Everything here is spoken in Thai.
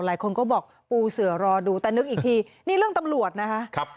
หลายคนก็บอกปูเสือรอดูแต่นึกอีกทีนี่เรื่องตำรวจนะคะ